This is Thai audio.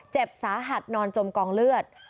เจ็บสาหัสนอนจมกองเลือด